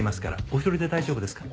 お一人で大丈夫ですか？